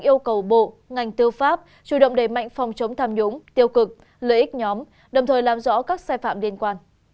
yêu cầu bộ ngành tư pháp chủ động đề mạnh phòng chống tham nhũng tiêu cực lợi ích nhóm đồng thời làm rõ các sai phạm liên quan